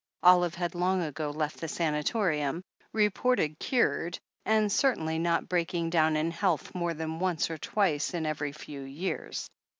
Olive had long ago left the sanatorium, reported cured, and cer tainly not breaking down in health more than once or twice in every few years.